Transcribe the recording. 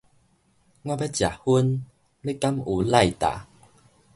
我欲食薰，汝敢有ライター